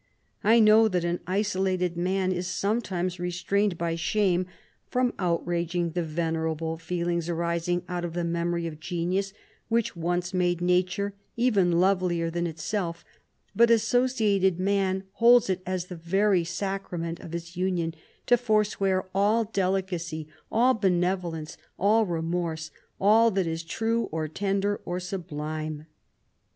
I know that an isolated man is sometimes re* strained by shame from outraging the 135 venerable feelings arising out of the memory of genius, whioh once made nature even lovelier than itself; but associated man holds it as the very sa crament of his union to forswear all delicacy, all benevolence, all remorse, all that is true, or tender, or sublime.